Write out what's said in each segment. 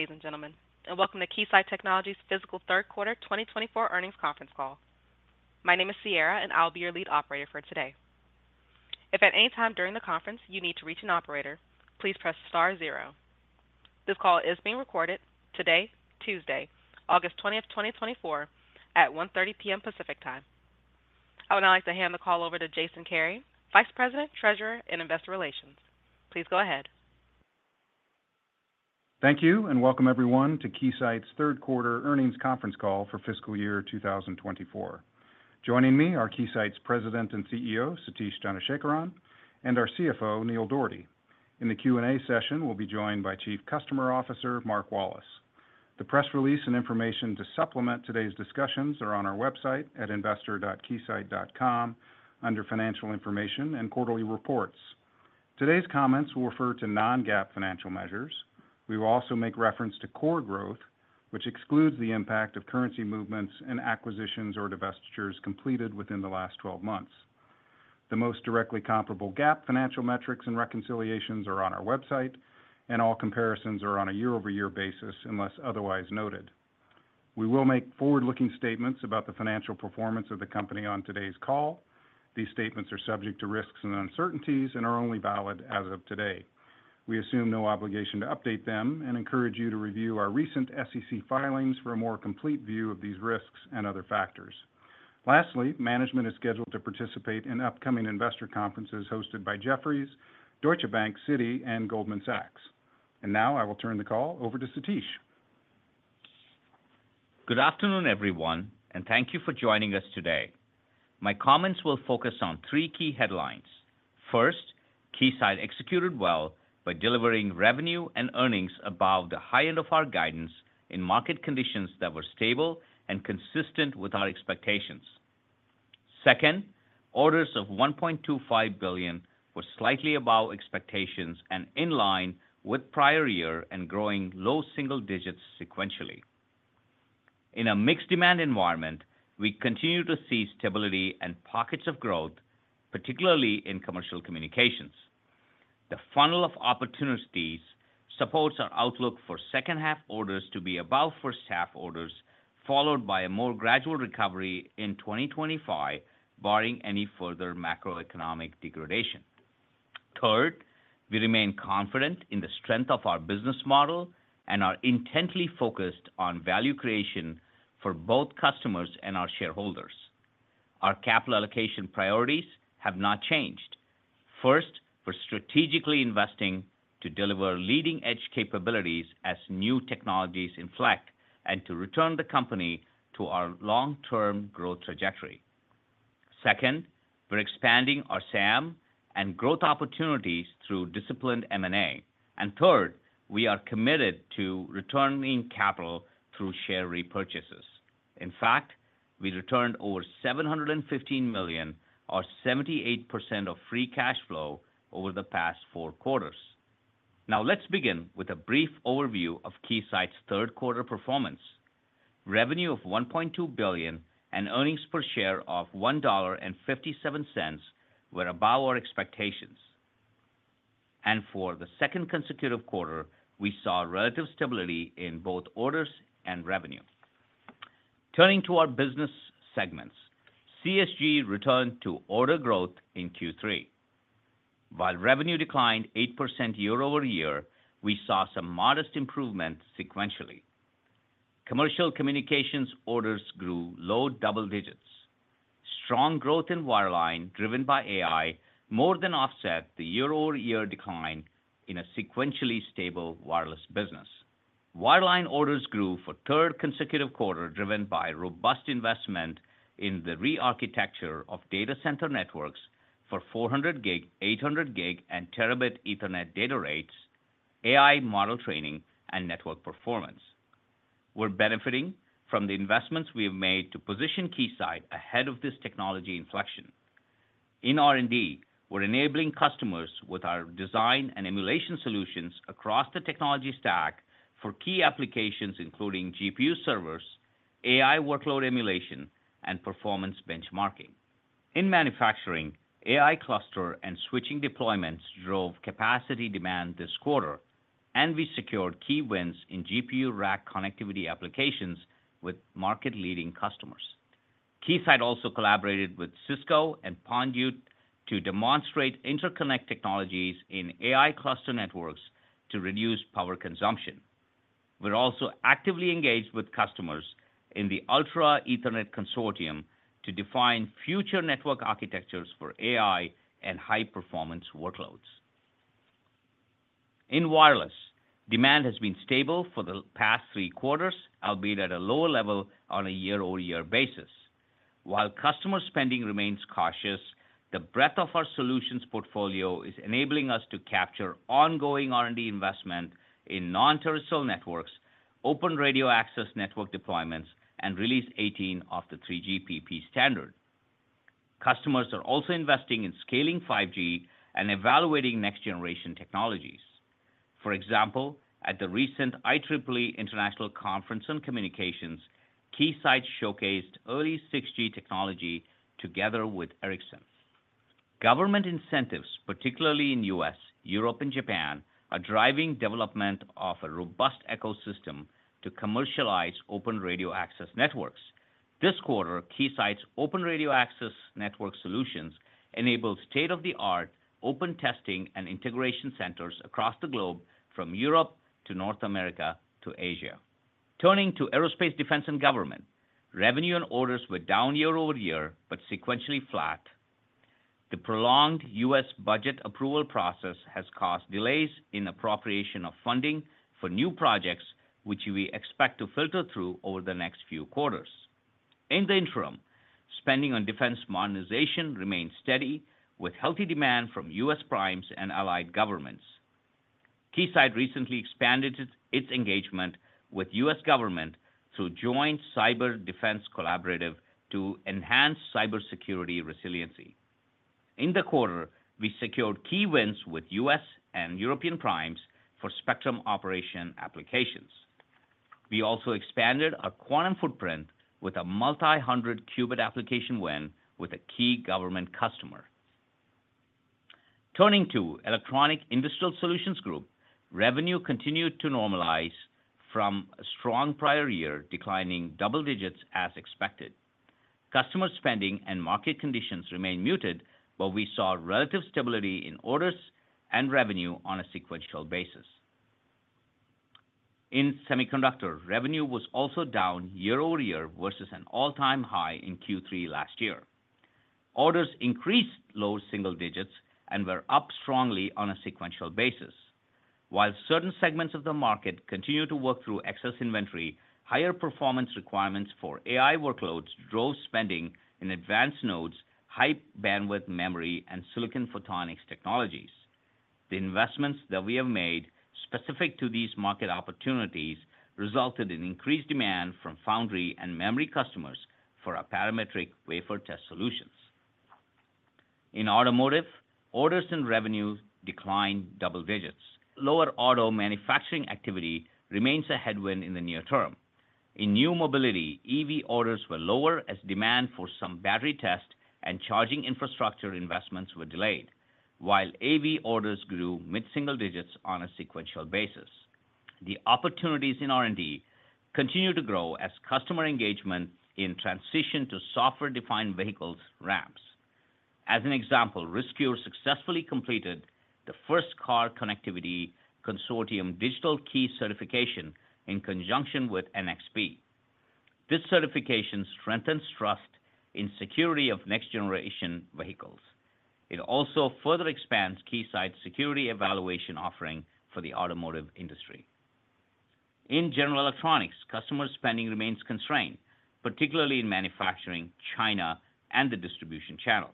Ladies and gentlemen, and welcome to Keysight Technologies' fiscal third quarter 2024 earnings conference call. My name is Sierra, and I'll be your lead operator for today. If at any time during the conference you need to reach an operator, please press star zero. This call is being recorded today, Tuesday, August twentieth, 2024, at 1:30 P.M. Pacific Time. I would now like to hand the call over to Jason Kary, Vice President, Treasurer, and Investor Relations. Please go ahead. Thank you, and welcome everyone to Keysight's third quarter earnings conference call for fiscal year two thousand and twenty-four. Joining me are Keysight's President and CEO, Satish Dhanasekaran, and our CFO, Neil Dougherty. In the Q&A session, we'll be joined by Chief Customer Officer, Mark Wallace. The press release and information to supplement today's discussions are on our website at investor.keysight.com under Financial Information and Quarterly Reports. Today's comments will refer to non-GAAP financial measures. We will also make reference to core growth, which excludes the impact of currency movements and acquisitions or divestitures completed within the last 12 months. The most directly comparable GAAP financial metrics and reconciliations are on our website, and all comparisons are on a year-over-year basis unless otherwise noted. We will make forward-looking statements about the financial performance of the company on today's call. These statements are subject to risks and uncertainties and are only valid as of today. We assume no obligation to update them and encourage you to review our recent SEC filings for a more complete view of these risks and other factors. Lastly, management is scheduled to participate in upcoming investor conferences hosted by Jefferies, Deutsche Bank, Citi, and Goldman Sachs. And now, I will turn the call over to Satish. Good afternoon, everyone, and thank you for joining us today. My comments will focus on three key headlines. First, Keysight executed well by delivering revenue and earnings above the high end of our guidance in market conditions that were stable and consistent with our expectations. Second, orders of $1.25 billion were slightly above expectations and in line with prior year and growing low single digits sequentially. In a mixed demand environment, we continue to see stability and pockets of growth, particularly in commercial communications. The funnel of opportunities supports our outlook for second half orders to be above first half orders, followed by a more gradual recovery in 2025, barring any further macroeconomic degradation. Third, we remain confident in the strength of our business model and are intently focused on value creation for both customers and our shareholders. Our capital allocation priorities have not changed. First, we're strategically investing to deliver leading-edge capabilities as new technologies inflect and to return the company to our long-term growth trajectory. Second, we're expanding our SAM and growth opportunities through disciplined M&A. And third, we are committed to returning capital through share repurchases. In fact, we returned over $715 million, or 78% of free cash flow, over the past four quarters. Now, let's begin with a brief overview of Keysight's third quarter performance. Revenue of $1.2 billion and earnings per share of $1.57 were above our expectations. And for the second consecutive quarter, we saw relative stability in both orders and revenue. Turning to our business segments, CSG returned to order growth in Q3. While revenue declined 8% year over year, we saw some modest improvement sequentially. Commercial communications orders grew low double digits. Strong growth in wireline, driven by AI, more than offset the year-over-year decline in a sequentially stable wireless business. Wireline orders grew for a third consecutive quarter, driven by robust investment in the rearchitecture of data center networks for 400 Gig, 800 Gig, and Terabit Ethernet data rates, AI model training, and network performance. We're benefiting from the investments we have made to position Keysight ahead of this technology inflection. In R&D, we're enabling customers with our design and emulation solutions across the technology stack for key applications, including GPU servers, AI workload emulation, and performance benchmarking. In manufacturing, AI cluster and switching deployments drove capacity demand this quarter, and we secured key wins in GPU rack connectivity applications with market-leading customers. Keysight also collaborated with Cisco and Panduit to demonstrate interconnect technologies in AI cluster networks to reduce power consumption. We're also actively engaged with customers in the Ultra Ethernet Consortium to define future network architectures for AI and high-performance workloads. In wireless, demand has been stable for the past three quarters, albeit at a lower level on a year-over-year basis. While customer spending remains cautious, the breadth of our solutions portfolio is enabling us to capture ongoing R&D investment in non-terrestrial networks, open radio access network deployments, and Release 18 of the 3GPP standard. Customers are also investing in scaling 5G and evaluating next-generation technologies. For example, at the recent IEEE International Conference on Communications, Keysight showcased early 6G technology together with Ericsson. Government incentives, particularly in U.S., Europe, and Japan, are driving development of a robust ecosystem to commercialize open radio access networks. This quarter, Keysight's open radio access network solutions enabled state-of-the-art Open Testing and Integration Centers across the globe, from Europe to North America to Asia. Turning to aerospace, defense, and government, revenue and orders were down year over year, but sequentially flat. The prolonged U.S. budget approval process has caused delays in appropriation of funding for new projects, which we expect to filter through over the next few quarters. In the interim, spending on defense modernization remains steady, with healthy demand from U.S. primes and allied governments. Keysight recently expanded its engagement with U.S. government through Joint Cyber Defense Collaborative to enhance cybersecurity resiliency. In the quarter, we secured key wins with U.S. and European primes for spectrum operation applications. We also expanded our quantum footprint with a multi-hundred qubit application win with a key government customer. Turning to Electronic Industrial Solutions Group, revenue continued to normalize from a strong prior year, declining double digits as expected. Customer spending and market conditions remain muted, but we saw relative stability in orders and revenue on a sequential basis. In semiconductor, revenue was also down year over year versus an all-time high in Q3 last year. Orders increased low single digits and were up strongly on a sequential basis. While certain segments of the market continue to work through excess inventory, higher performance requirements for AI workloads drove spending in advanced nodes, high-bandwidth memory, and silicon photonics technologies. The investments that we have made specific to these market opportunities resulted in increased demand from foundry and memory customers for our Parametric Wafer Test Solutions. In automotive, orders and revenue declined double digits. Lower auto manufacturing activity remains a headwind in the near term. In new mobility, EV orders were lower as demand for some battery test and charging infrastructure investments were delayed, while AV orders grew mid-single digits on a sequential basis. The opportunities in R&D continue to grow as customer engagement in transition to software-defined vehicles ramps. As an example, Riscure successfully completed the first Car Connectivity Consortium Digital Key certification in conjunction with NXP. This certification strengthens trust in security of next-generation vehicles. It also further expands Keysight's security evaluation offering for the automotive industry. In general electronics, customer spending remains constrained, particularly in manufacturing, China, and the distribution channel.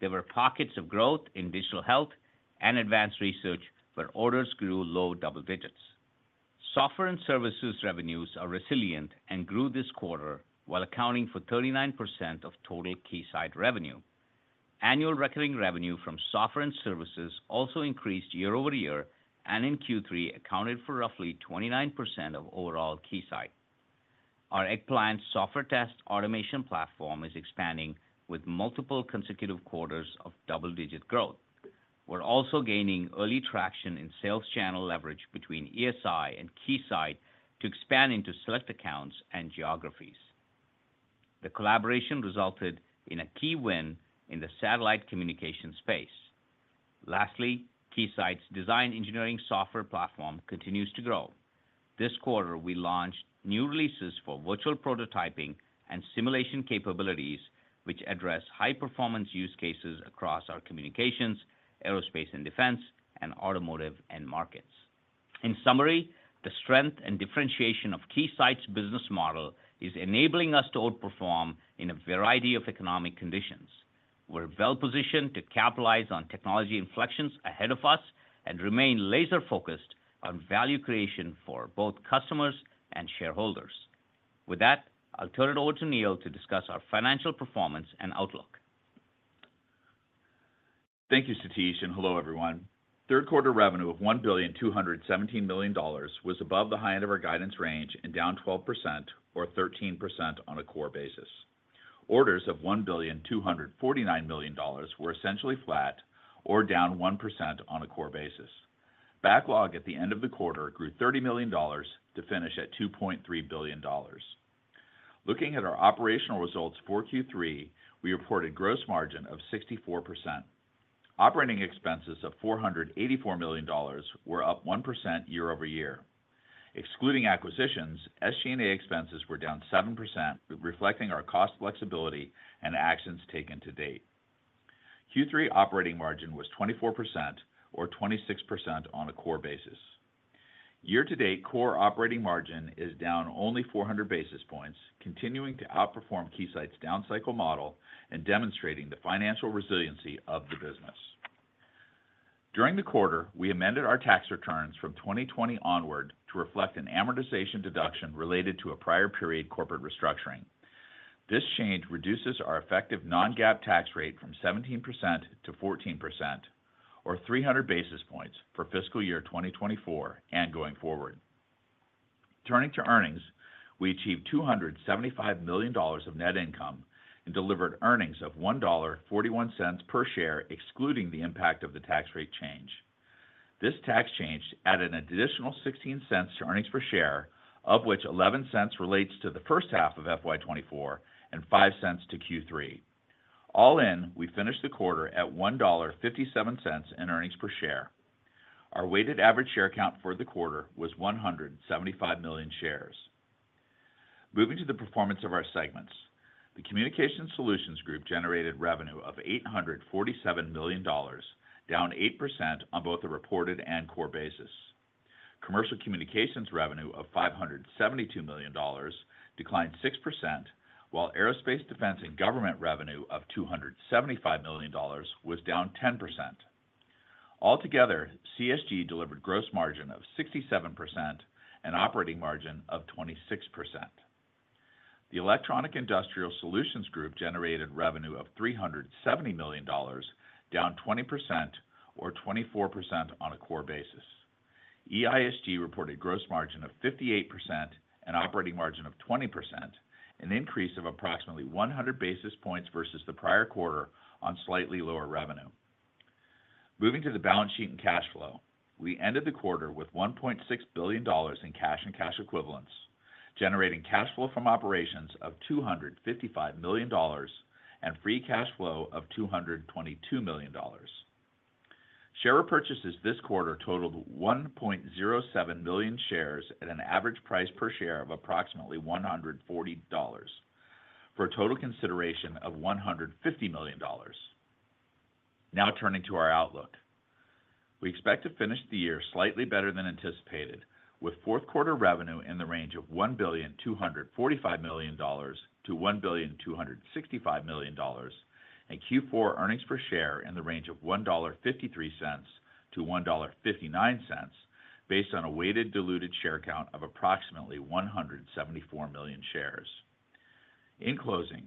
There were pockets of growth in digital health and advanced research, where orders grew low double digits. Software and services revenues are resilient and grew this quarter, while accounting for 39% of total Keysight revenue. Annual recurring revenue from software and services also increased year over year, and in Q3, accounted for roughly 29% of overall Keysight. Our Eggplant software test automation platform is expanding with multiple consecutive quarters of double-digit growth. We're also gaining early traction in sales channel leverage between ESI and Keysight to expand into select accounts and geographies. The collaboration resulted in a key win in the satellite communication space. Lastly, Keysight's design engineering software platform continues to grow. This quarter, we launched new releases for virtual prototyping and simulation capabilities, which address high-performance use cases across our communications, aerospace and defense, and automotive end markets. In summary, the strength and differentiation of Keysight's business model is enabling us to outperform in a variety of economic conditions. We're well positioned to capitalize on technology inflections ahead of us and remain laser-focused on value creation for both customers and shareholders. With that, I'll turn it over to Neil to discuss our financial performance and outlook. Thank you, Satish, and hello, everyone. Third quarter revenue of $1.217 billion was above the high end of our guidance range and down 12%, or 13% on a core basis. Orders of $1.249 billion were essentially flat or down 1% on a core basis. Backlog at the end of the quarter grew $30 million to finish at $2.3 billion. Looking at our operational results for Q3, we reported gross margin of 64%. Operating expenses of $484 million were up 1% year over year. Excluding acquisitions, SG&A expenses were down 7%, reflecting our cost flexibility and actions taken to date. Q3 operating margin was 24%, or 26% on a core basis. Year to date, core operating margin is down only 400 basis points, continuing to outperform Keysight's down cycle model and demonstrating the financial resiliency of the business. During the quarter, we amended our tax returns from 2020 onward to reflect an amortization deduction related to a prior period corporate restructuring. This change reduces our effective non-GAAP tax rate from 17% to 14%, or 300 basis points for fiscal year 2024 and going forward. Turning to earnings, we achieved $275 million of net income and delivered earnings of $1.41 per share, excluding the impact of the tax rate change. This tax change added an additional $0.16 to earnings per share, of which $0.11 relates to the first half of FY 2024 and $0.05 to Q3. All in, we finished the quarter at $1.57 in earnings per share. Our weighted average share count for the quarter was 175 million shares. Moving to the performance of our segments. The Communication Solutions Group generated revenue of $847 million, down 8% on both a reported and core basis. Commercial communications revenue of $572 million declined 6%, while aerospace defense and government revenue of $275 million was down 10%. Altogether, CSG delivered gross margin of 67% and operating margin of 26%. The Electronic Industrial Solutions Group generated revenue of $370 million, down 20% or 24% on a core basis. EISG reported gross margin of 58% and operating margin of 20%, an increase of approximately 100 basis points versus the prior quarter on slightly lower revenue. Moving to the balance sheet and cash flow, we ended the quarter with $1.6 billion in cash and cash equivalents, generating cash flow from operations of $255 million and free cash flow of $222 million. Share purchases this quarter totaled 1.07 million shares at an average price per share of approximately $140 for a total consideration of $150 million. Now, turning to our outlook. We expect to finish the year slightly better than anticipated, with fourth quarter revenue in the range of $1.245 billion-$1.265 billion, and Q4 earnings per share in the range of $1.53-$1.59, based on a weighted diluted share count of approximately 174 million shares. In closing,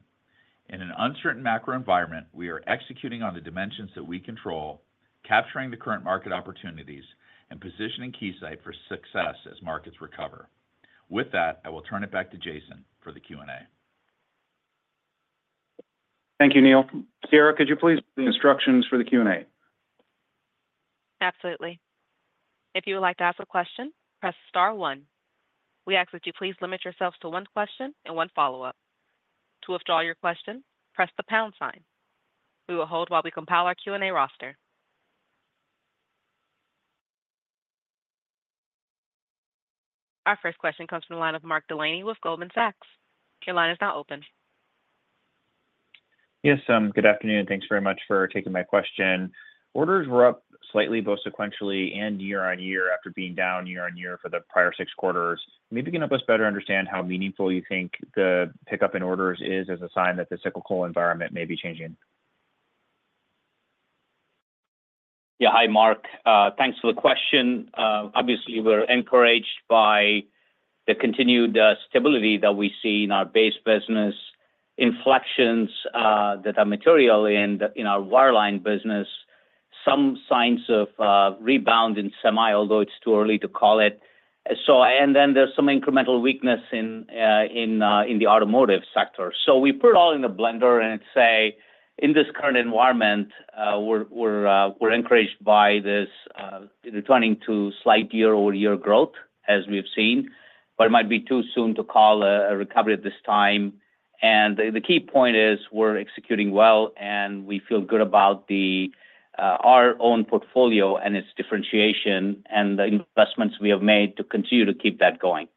in an uncertain macro environment, we are executing on the dimensions that we control, capturing the current market opportunities and positioning Keysight for success as markets recover. With that, I will turn it back to Jason for the Q&A. Thank you, Neil. Sierra, could you please give the instructions for the Q&A? Absolutely. If you would like to ask a question, press star one. We ask that you please limit yourselves to one question and one follow-up. To withdraw your question, press the pound sign. We will hold while we compile our Q&A roster. Our first question comes from the line of Mark Delaney with Goldman Sachs. Your line is now open. Yes, good afternoon, and thanks very much for taking my question. Orders were up slightly, both sequentially and year on year, after being down year on year for the prior six quarters. Maybe you can help us better understand how meaningful you think the pickup in orders is as a sign that the cyclical environment may be changing. Yeah. Hi, Mark. Thanks for the question. Obviously, we're encouraged by the continued stability that we see in our base business, inflections that are material in our wireline business. Some signs of rebound in semi, although it's too early to call it. So and then there's some incremental weakness in the automotive sector. So we put it all in a blender and say, in this current environment, we're encouraged by this returning to slight year-over-year growth, as we've seen, but it might be too soon to call a recovery at this time. And the key point is, we're executing well, and we feel good about our own portfolio and its differentiation and the investments we have made to continue to keep that going.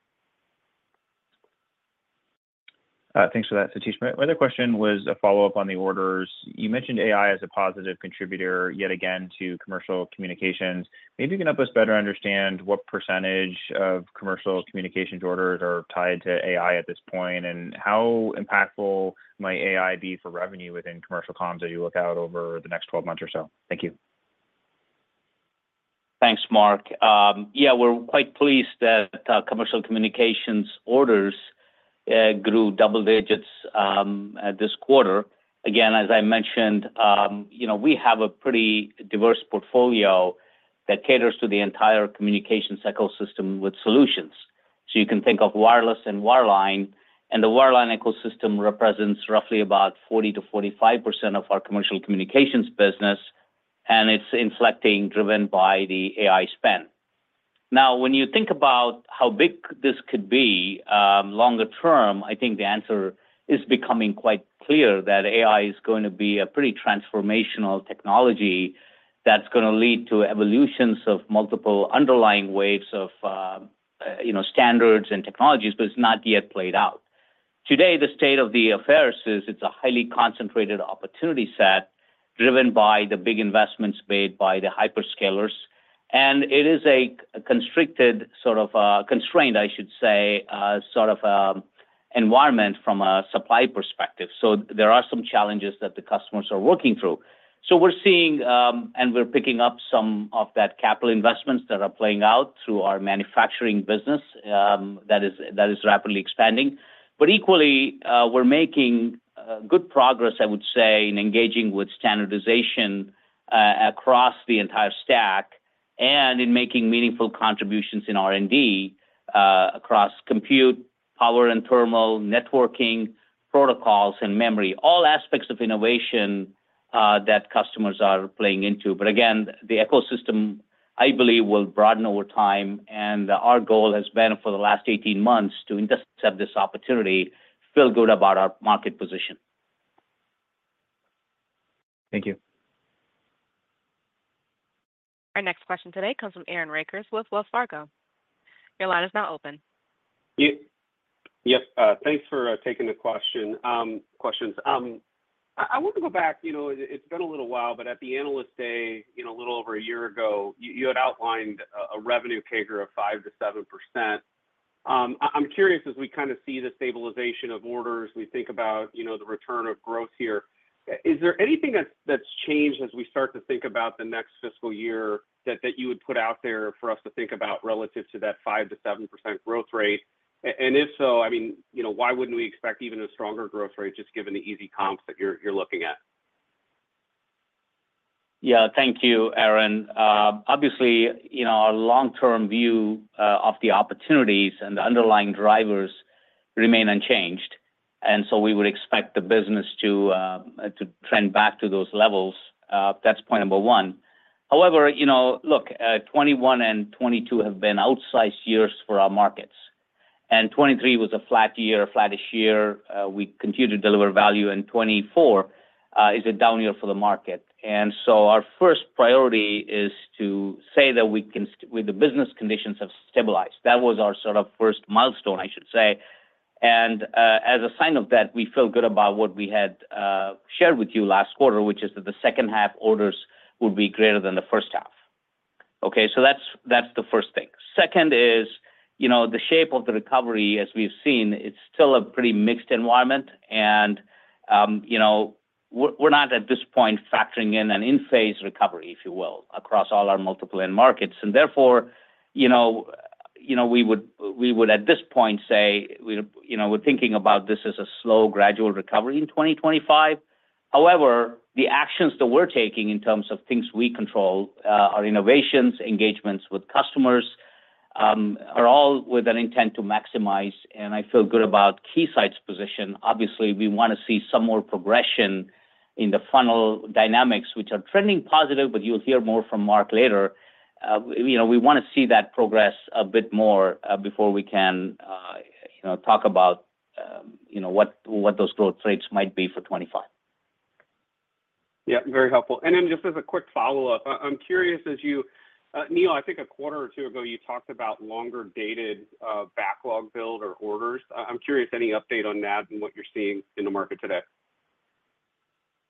Thanks for that, Satish. My other question was a follow-up on the orders. You mentioned AI as a positive contributor, yet again, to commercial communications. Maybe you can help us better understand what percentage of commercial communications orders are tied to AI at this point, and how impactful might AI be for revenue within commercial comms as you look out over the next twelve months or so? Thank you. Thanks, Mark. Yeah, we're quite pleased that commercial communications orders grew double digits at this quarter. Again, as I mentioned, you know, we have a pretty diverse portfolio that caters to the entire communications ecosystem with solutions. So you can think of wireless and wireline, and the wireline ecosystem represents roughly about 40%-45% of our commercial communications business, and it's inflecting, driven by the AI spend. Now, when you think about how big this could be, longer term, I think the answer is becoming quite clear that AI is going to be a pretty transformational technology that's going to lead to evolutions of multiple underlying waves of, you know, standards and technologies, but it's not yet played out. Today, the state of the affairs is it's a highly concentrated opportunity set, driven by the big investments made by the hyperscalers, and it is a constricted, sort of, constrained, I should say, sort of, environment from a supply perspective. So there are some challenges that the customers are working through. So we're seeing, and we're picking up some of that capital investments that are playing out through our manufacturing business, that is rapidly expanding. But equally, we're making good progress, I would say, in engaging with standardization-... across the entire stack, and in making meaningful contributions in R&D, across compute, power and thermal, networking, protocols, and memory, all aspects of innovation, that customers are playing into. But again, the ecosystem, I believe, will broaden over time, and our goal has been, for the last eighteen months, to intercept this opportunity, feel good about our market position. Thank you. Our next question today comes from Aaron Rakers with Wells Fargo. Your line is now open. Yes, thanks for taking the question, questions. I want to go back, you know, it's been a little while, but at the Analyst Day, you know, a little over a year ago, you had outlined a revenue CAGR of 5%-7%. I'm curious, as we kind of see the stabilization of orders, we think about, you know, the return of growth here, is there anything that's changed as we start to think about the next fiscal year that you would put out there for us to think about relative to that 5%-7% growth rate? And if so, I mean, you know, why wouldn't we expect even a stronger growth rate, just given the easy comps that you're looking at? Yeah. Thank you, Aaron. Obviously, you know, our long-term view of the opportunities and the underlying drivers remain unchanged, and so we would expect the business to trend back to those levels. That's point number one. However, you know, look, 2021 and 2022 have been outsized years for our markets, and 2023 was a flat year, a flattish year. We continue to deliver value, and 2024 is a down year for the market. And so our first priority is to say that we can the business conditions have stabilized. That was our sort of first milestone, I should say. And as a sign of that, we feel good about what we had shared with you last quarter, which is that the second half orders would be greater than the first half, okay? So that's the first thing. Second is, you know, the shape of the recovery as we've seen, it's still a pretty mixed environment, and, you know, we're not, at this point, factoring in an in-phase recovery, if you will, across all our multiple end markets. And therefore, you know, we would, at this point say, we're, you know, we're thinking about this as a slow, gradual recovery in 2025. However, the actions that we're taking in terms of things we control, our innovations, engagements with customers, are all with an intent to maximize, and I feel good about Keysight's position. Obviously, we wanna see some more progression in the funnel dynamics, which are trending positive, but you'll hear more from Mark later. You know, we wanna see that progress a bit more before we can, you know, talk about what those growth rates might be for 2025. Yeah, very helpful. And then just as a quick follow-up, I, I'm curious, as you, Neil, I think a quarter or two ago, you talked about longer-dated, backlog build or orders. I'm curious, any update on that and what you're seeing in the market today?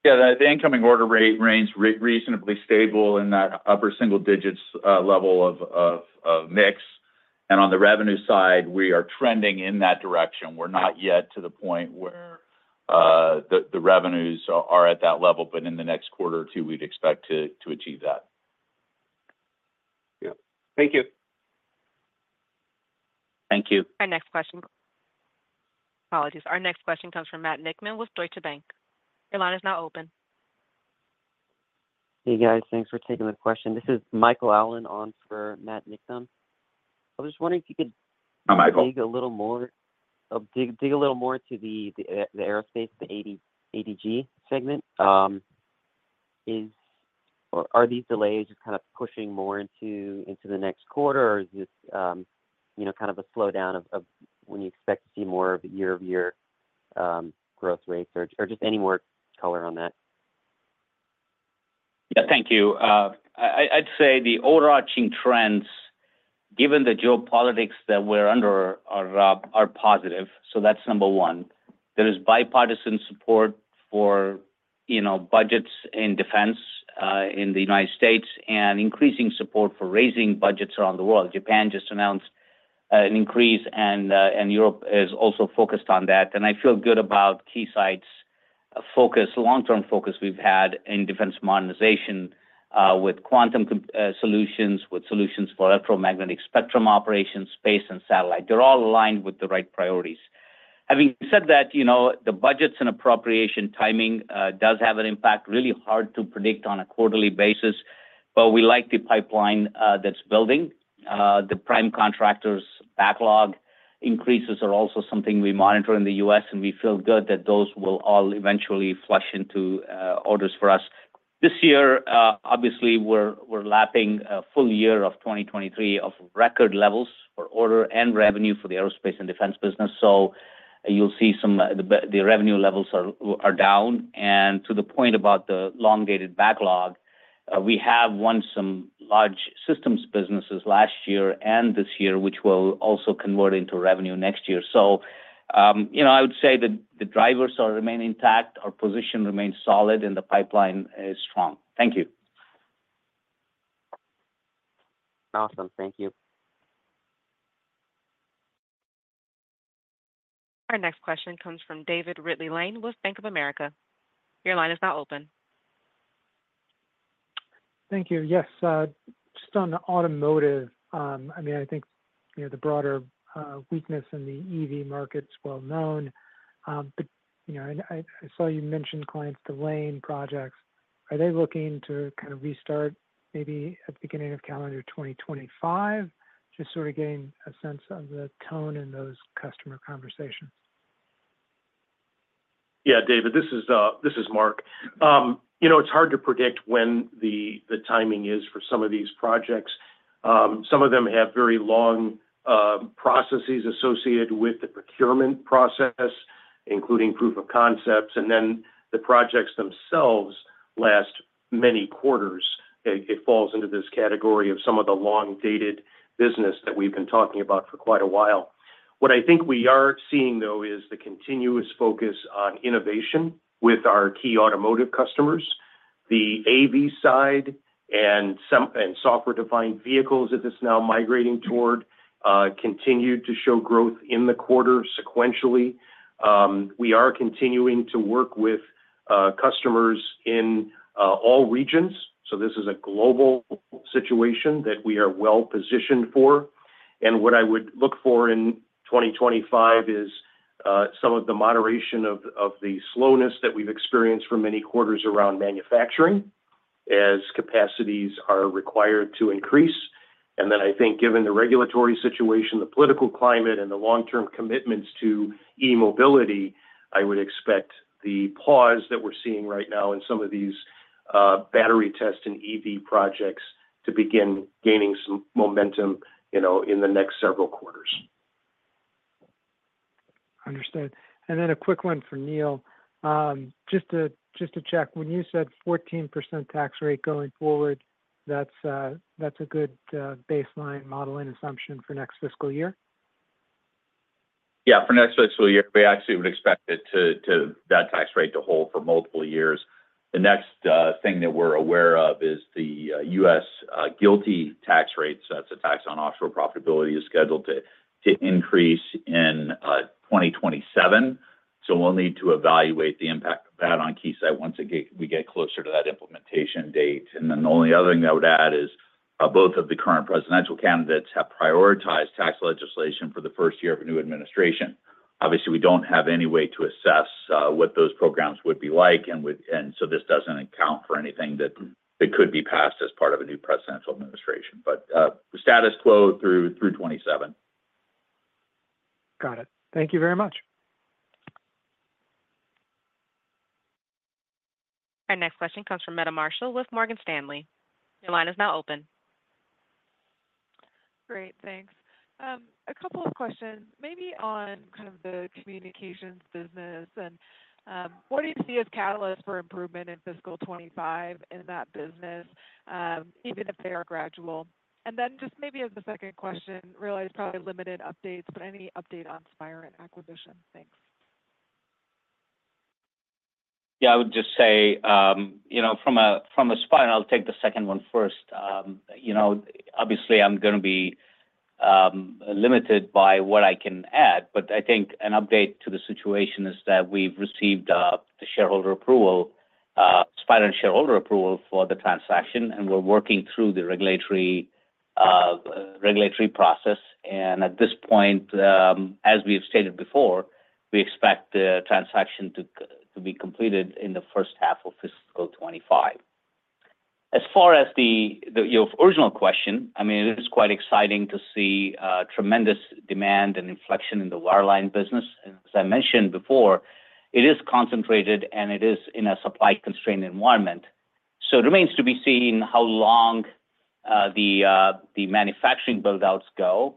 Yeah, the incoming order rate remains reasonably stable in that upper single digits level of mix, and on the revenue side, we are trending in that direction. We're not yet to the point where the revenues are at that level, but in the next quarter or two, we'd expect to achieve that. Yeah. Thank you. Thank you. Our next question... Apologies. Our next question comes from Matt Niknam with Deutsche Bank. Your line is now open. Hey, guys. Thanks for taking the question. This is Michael Allen on for Matt Niknam. I was just wondering if you could- Hi, Michael Dig a little more into the aerospace, the A&D segment. Is or are these delays just kind of pushing more into the next quarter, or is this kind of a slowdown of when you expect to see more of year-over-year growth rates, or just any more color on that? Yeah. Thank you. I'd say the overarching trends, given the geopolitics that we're under, are positive, so that's number one. There is bipartisan support for, you know, budgets in defense in the United States, and increasing support for raising budgets around the world. Japan just announced an increase and Europe is also focused on that, and I feel good about Keysight's focus, long-term focus we've had in defense modernization with quantum solutions, with solutions for electromagnetic spectrum operations, space and satellite. They're all aligned with the right priorities. Having said that, you know, the budgets and appropriation timing does have an impact, really hard to predict on a quarterly basis, but we like the pipeline that's building. The prime contractor's backlog increases are also something we monitor in the U.S., and we feel good that those will all eventually flush into orders for us. This year, obviously, we're lapping a full year of 2023 of record levels for order and revenue for the aerospace and defense business, so you'll see some the revenue levels are down. To the point about the long-dated backlog, we have won some large systems businesses last year and this year, which will also convert into revenue next year. So you know, I would say the drivers remain intact, our position remains solid, and the pipeline is strong. Thank you. Awesome. Thank you. Our next question comes from David Ridley-Lane with Bank of America. Your line is now open. ... Thank you. Yes, just on the automotive, I mean, I think, you know, the broader weakness in the EV market is well known. But, you know, I saw you mention clients delaying projects. Are they looking to kind of restart maybe at the beginning of calendar 2025? Just sort of gain a sense of the tone in those customer conversations. Yeah, David, this is Mark. You know, it's hard to predict when the timing is for some of these projects. Some of them have very long processes associated with the procurement process, including proof of concepts, and then the projects themselves last many quarters. It falls into this category of some of the long-dated business that we've been talking about for quite a while. What I think we are seeing, though, is the continuous focus on innovation with our key automotive customers. The AV side and software-defined vehicles that it's now migrating toward continued to show growth in the quarter sequentially. We are continuing to work with customers in all regions, so this is a global situation that we are well positioned for. And what I would look for in twenty twenty-five is some of the moderation of the slowness that we've experienced for many quarters around manufacturing, as capacities are required to increase. And then I think given the regulatory situation, the political climate, and the long-term commitments to e-mobility, I would expect the pause that we're seeing right now in some of these battery test and EV projects to begin gaining some momentum, you know, in the next several quarters. Understood. And then a quick one for Neil. Just to, just to check, when you said 14% tax rate going forward, that's, that's a good baseline modeling assumption for next fiscal year? Yeah, for next fiscal year, we actually would expect it to that tax rate to hold for multiple years. The next thing that we're aware of is the U.S. GILTI tax rate. So that's a tax on offshore profitability, is scheduled to increase in 2027, so we'll need to evaluate the impact of that on Keysight once we get closer to that implementation date. And then the only other thing I would add is both of the current presidential candidates have prioritized tax legislation for the first year of a new administration. Obviously, we don't have any way to assess what those programs would be like, and so this doesn't account for anything that could be passed as part of a new presidential administration. But the status quo through 2027. Got it. Thank you very much. Our next question comes from Meta Marshall with Morgan Stanley. Your line is now open. Great. Thanks. A couple of questions, maybe on kind of the communications business, and, what do you see as catalysts for improvement in fiscal twenty twenty-five in that business, even if they are gradual? And then just maybe as the second question, realize probably limited updates, but any update on Spirent acquisition? Thanks. Yeah, I would just say, you know, from a Spirent, and I'll take the second one first. You know, obviously, I'm gonna be limited by what I can add, but I think an update to the situation is that we've received the shareholder approval, Spirent shareholder approval for the transaction, and we're working through the regulatory process. And at this point, as we have stated before, we expect the transaction to be completed in the first half of fiscal twenty twenty-five. As far as your original question, I mean, it is quite exciting to see tremendous demand and inflection in the wireline business. And as I mentioned before, it is concentrated, and it is in a supply-constrained environment. So it remains to be seen how long the manufacturing build-outs go,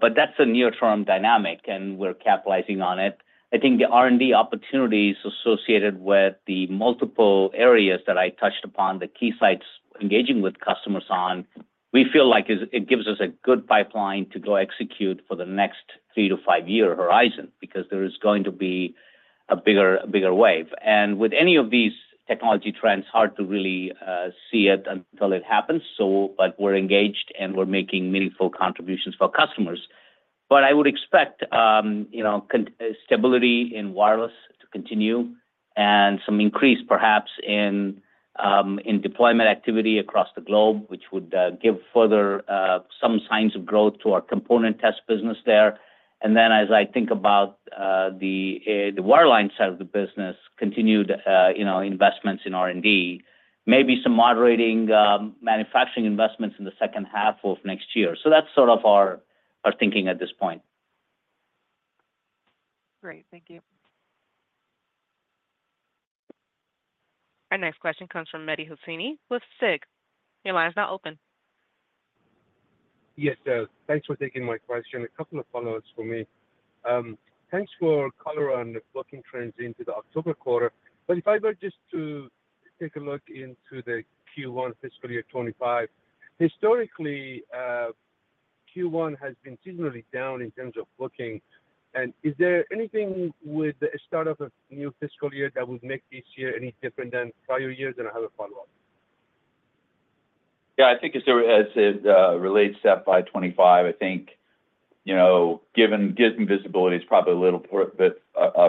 but that's a near-term dynamic, and we're capitalizing on it. I think the R&D opportunities associated with the multiple areas that I touched upon, the Keysight's engaging with customers on, we feel like is. It gives us a good pipeline to go execute for the next three- to five-year horizon because there is going to be a bigger, bigger wave. And with any of these technology trends, hard to really see it until it happens, so, but we're engaged, and we're making meaningful contributions for customers. But I would expect, you know, continued stability in wireless to continue and some increase perhaps in deployment activity across the globe, which would give further some signs of growth to our component test business there. Then, as I think about the wireline side of the business, continued, you know, investments in R&D, maybe some moderating manufacturing investments in the second half of next year. So that's sort of our thinking at this point. Great. Thank you. Our next question comes from Mehdi Hosseini with Susquehanna Financial Group. Your line is now open. Yes, sir. Thanks for taking my question. A couple of follow-ups for me. Thanks for color on the booking trends into the October quarter. But if I were just to take a look into the Q1 fiscal year twenty twenty-five, historically, Q1 has been seasonally down in terms of bookings. And is there anything with the start of a new fiscal year that would make this year any different than prior years? And I have a follow-up. Yeah, I think as it relates to FY 2025, I think you know, given visibility is probably a little poor, but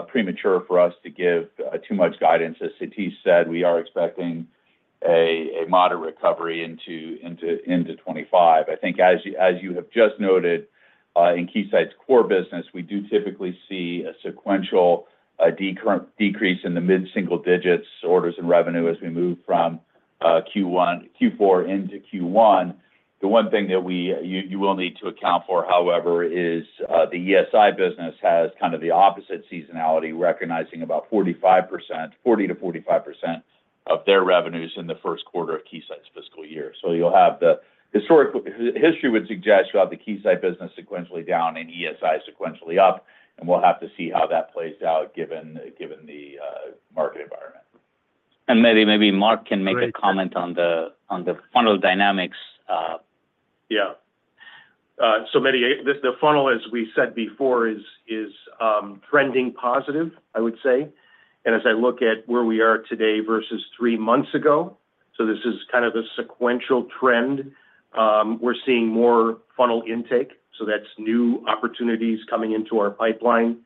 premature for us to give too much guidance. As Satish said, we are expecting a moderate recovery into 2025. I think as you have just noted in Keysight's core business, we do typically see a sequential decrease in the mid-single digits, orders and revenue, as we move from Q4 into Q1. The one thing that you will need to account for, however, is the ESI business has kind of the opposite seasonality, recognizing about 45%, 40%-45% of their revenues in the first quarter of Keysight's fiscal year. So you'll have the history would suggest you have the Keysight business sequentially down and ESI sequentially up, and we'll have to see how that plays out, given the market environment. Maybe Mark can make a comment on the funnel dynamics. Yeah. So the funnel, as we said before, is trending positive, I would say, and as I look at where we are today versus three months ago, so this is kind of a sequential trend. We're seeing more funnel intake, so that's new opportunities coming into our pipeline,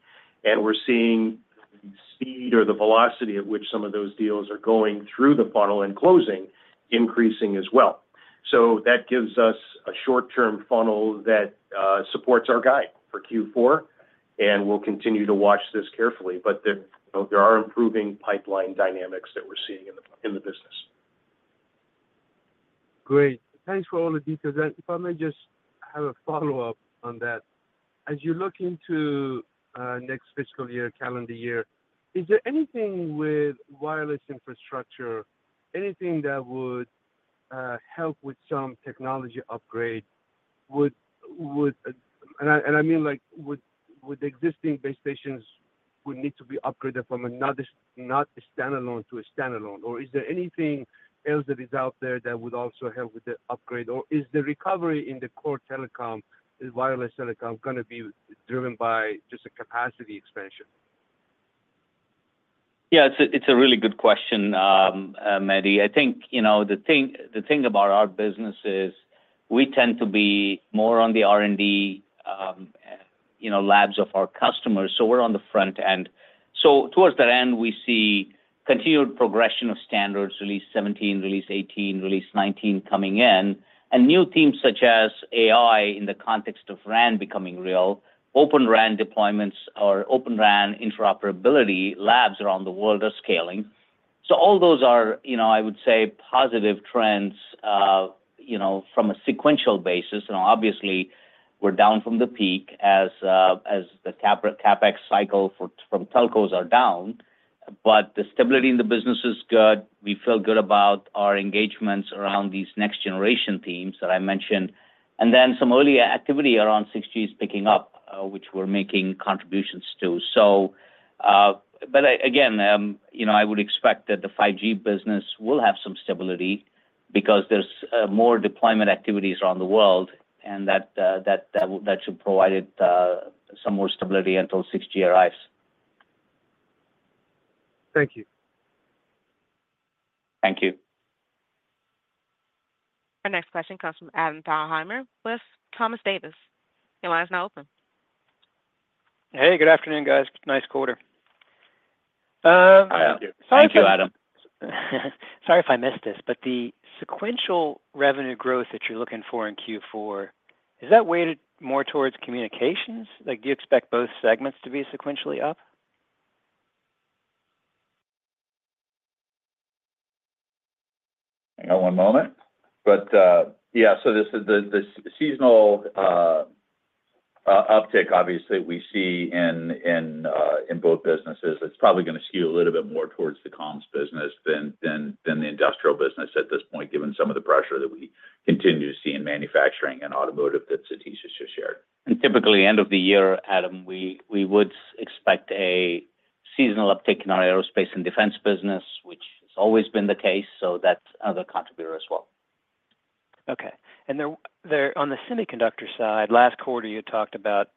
and we're seeing the speed or the velocity at which some of those deals are going through the funnel and closing, increasing as well. So that gives us a short-term funnel that supports our guide for Q4, and we'll continue to watch this carefully. But there, you know, there are improving pipeline dynamics that we're seeing in the business. Great. Thanks for all the details. And if I may just have a follow-up on that. As you look into next fiscal year, calendar year, is there anything with wireless infrastructure, anything that would help with some technology upgrade? Would... And I mean like, would the existing base stations need to be upgraded from non-standalone to standalone? Or is there anything else that is out there that would also help with the upgrade? Or is the recovery in the core telecom, the wireless telecom, gonna be driven by just a capacity expansion? Yeah, it's a, it's a really good question, Mehdi. I think, you know, the thing, the thing about our business is we tend to be more on the R&D, you know, labs of our customers, so we're on the front end. So towards that end, we see continued progression of standards, Release 17, Release 18, Release 19 coming in, and new themes such as AI in the context of RAN becoming real, Open RAN deployments or Open RAN interoperability labs around the world are scaling. So all those are, you know, I would say, positive trends, you know, from a sequential basis. You know, obviously, we're down from the peak as, as the CapEx cycle for, from telcos are down, but the stability in the business is good. We feel good about our engagements around these next generation themes that I mentioned, and then some earlier activity around 6G is picking up, which we're making contributions to. So, but again, you know, I would expect that the 5G business will have some stability because there's more deployment activities around the world, and that should provide it some more stability until 6G arrives. Thank you. Thank you. Our next question comes from Adam Thalhimer with Thompson Davis & Co. Your line is now open. Hey, good afternoon, guys. Nice quarter. Thank you, Adam. Sorry if I missed this, but the sequential revenue growth that you're looking for in Q4, is that weighted more towards communications? Like, do you expect both segments to be sequentially up? Hang on one moment. But yeah, so this is the seasonal uptick, obviously, we see in both businesses. It's probably gonna skew a little bit more towards the comms business than the industrial business at this point, given some of the pressure that we continue to see in manufacturing and automotive that Satish has just shared. Typically, end of the year, Adam, we would expect a seasonal uptick in our aerospace and defense business, which has always been the case, so that's another contributor as well. Okay. And then, there, on the semiconductor side, last quarter, you talked about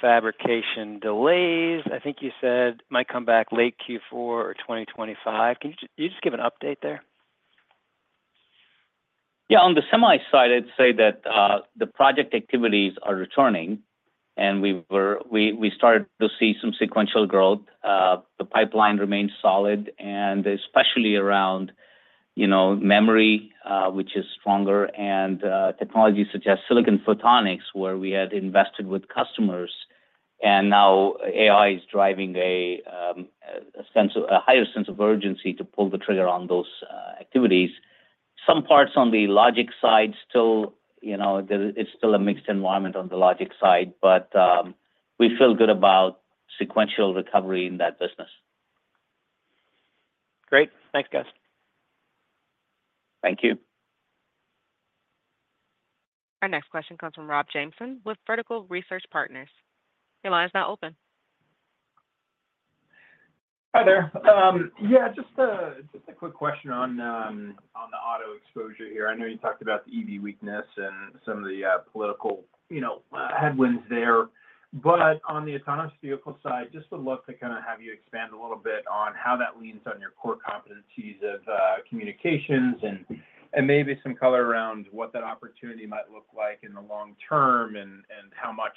fabrication delays. I think you said might come back late Q4 or 2025. Can you just give an update there? Yeah, on the semi side, I'd say that the project activities are returning, and we started to see some sequential growth. The pipeline remains solid, and especially around, you know, memory, which is stronger, and technologies such as silicon photonics, where we had invested with customers, and now AI is driving a higher sense of urgency to pull the trigger on those activities. Some parts on the logic side still, you know, it's still a mixed environment on the logic side, but we feel good about sequential recovery in that business. Great. Thanks, guys. Thank you. Our next question comes from Rob Mason with Vertical Research Partners. Your line is now open. Hi there. Yeah, just a quick question on the auto exposure here. I know you talked about the EV weakness and some of the political, you know, headwinds there, but on the autonomous vehicle side, just to look to kind of have you expand a little bit on how that leans on your core competencies of communications and maybe some color around what that opportunity might look like in the long term and how much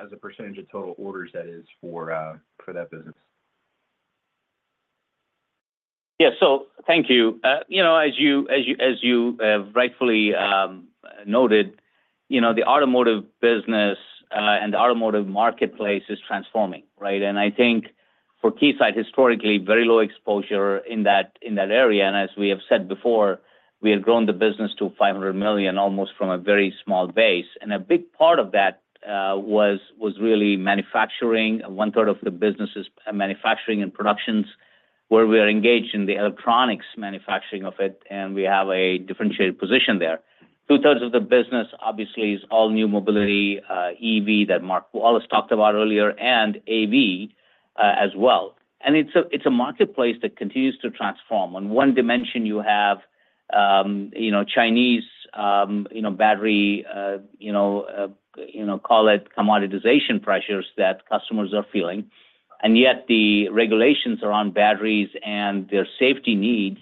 as a percentage of total orders that is for that business? ... Yeah, so thank you. You know, as you rightfully noted, you know, the automotive business and the automotive marketplace is transforming, right? And I think for Keysight, historically, very low exposure in that area, and as we have said before, we have grown the business to $500 million, almost from a very small base. And a big part of that was really manufacturing. One-third of the business is manufacturing and productions, where we are engaged in the electronics manufacturing of it, and we have a differentiated position there. Two-thirds of the business, obviously, is all new mobility, EV, that Mark Wallace talked about earlier, and AV, as well. And it's a marketplace that continues to transform. On one dimension you have, you know, Chinese battery commoditization pressures that customers are feeling, and yet the regulations around batteries and their safety needs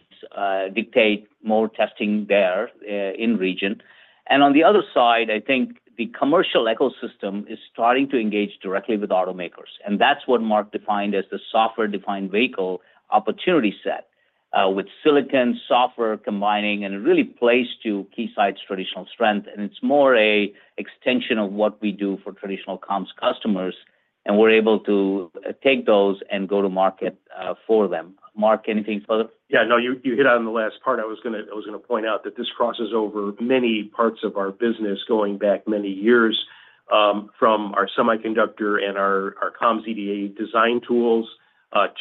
dictate more testing there, in region. On the other side, I think the commercial ecosystem is starting to engage directly with automakers, and that's what Mark defined as the software-defined vehicle opportunity set. With silicon software combining, and it really plays to Keysight's traditional strength, and it's more a extension of what we do for traditional comms customers, and we're able to take those and go to market for them. Mark, anything further? Yeah, no, you hit on the last part. I was gonna point out that this crosses over many parts of our business going back many years, from our semiconductor and our comms EDA design tools,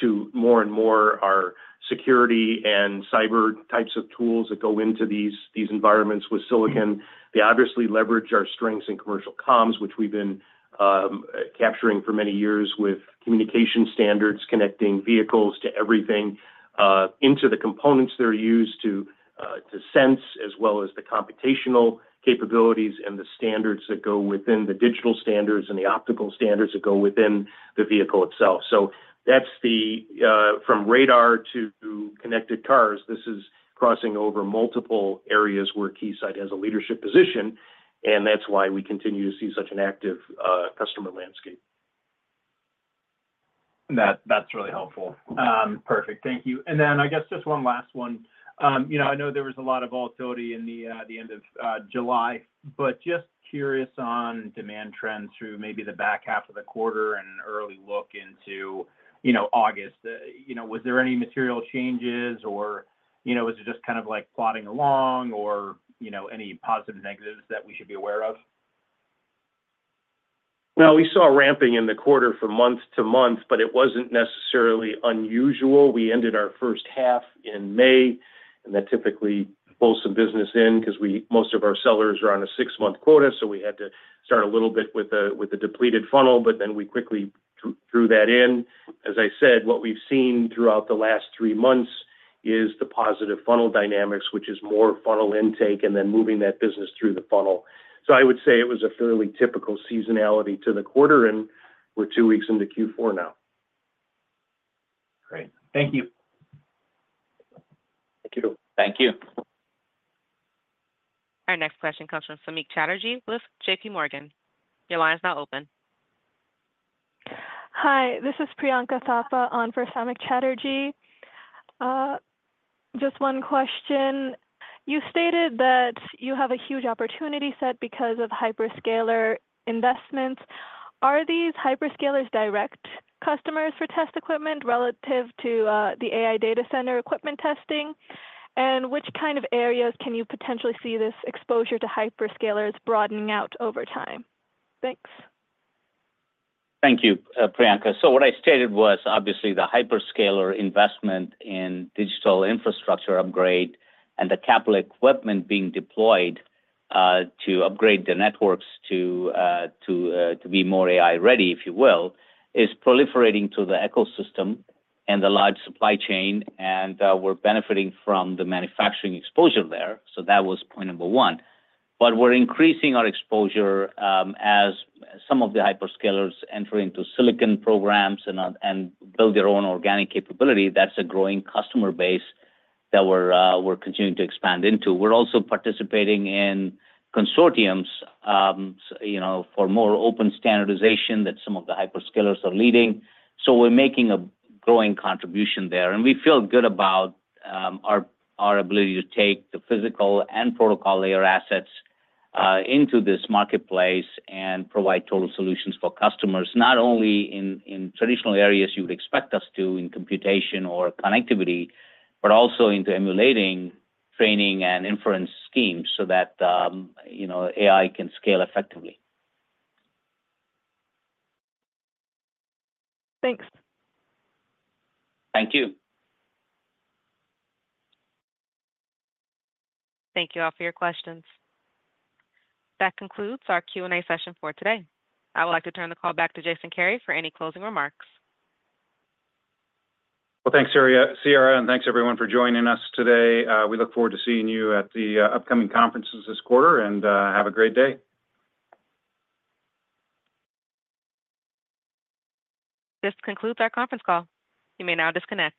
to more and more our security and cyber types of tools that go into these environments with silicon. They obviously leverage our strengths in commercial comms, which we've been capturing for many years with communication standards, connecting vehicles to everything, into the components that are used to sense, as well as the computational capabilities and the standards that go within the digital standards and the optical standards that go within the vehicle itself. So that's the from radar to connected cars. This is crossing over multiple areas where Keysight has a leadership position, and that's why we continue to see such an active customer landscape. That, that's really helpful. Perfect. Thank you. And then I guess just one last one. You know, I know there was a lot of volatility in the end of July, but just curious on demand trends through maybe the back half of the quarter and an early look into, you know, August. You know, was there any material changes or, you know, was it just kind of like plodding along or, you know, any positive negatives that we should be aware of? We saw ramping in the quarter from month to month, but it wasn't necessarily unusual. We ended our first half in May, and that typically pulls some business in 'cause most of our sellers are on a six-month quota, so we had to start a little bit with a depleted funnel, but then we quickly drew that in. As I said, what we've seen throughout the last three months is the positive funnel dynamics, which is more funnel intake, and then moving that business through the funnel. I would say it was a fairly typical seasonality to the quarter, and we're two weeks into Q4 now. Great. Thank you. Thank you. Thank you. Our next question comes from Samik Chatterjee with J.P. Morgan. Your line is now open. Hi, this is Priyanka Thapa on for Samik Chatterjee. Just one question. You stated that you have a huge opportunity set because of hyperscaler investments. Are these hyperscalers direct customers for test equipment relative to the AI data center equipment testing? And which kind of areas can you potentially see this exposure to hyperscalers broadening out over time? Thanks. Thank you, Priyanka. So what I stated was obviously the hyperscaler investment in digital infrastructure upgrade and the capital equipment being deployed to upgrade the networks to be more AI ready, if you will, is proliferating to the ecosystem and the large supply chain, and we're benefiting from the manufacturing exposure there, so that was point number one. But we're increasing our exposure, as some of the hyperscalers enter into silicon programs and build their own organic capability. That's a growing customer base that we're continuing to expand into. We're also participating in consortiums, you know, for more open standardization that some of the hyperscalers are leading. So we're making a growing contribution there, and we feel good about our ability to take the physical and protocol layer assets into this marketplace and provide total solutions for customers, not only in traditional areas you would expect us to, in computation or connectivity, but also into emulating, training, and inference schemes, so that you know, AI can scale effectively. Thanks. Thank you. Thank you all for your questions. That concludes our Q&A session for today. I would like to turn the call back to Jason Kary for any closing remarks. Thanks, Sierra, and thanks everyone for joining us today. We look forward to seeing you at the upcoming conferences this quarter, and have a great day. This concludes our conference call. You may now disconnect.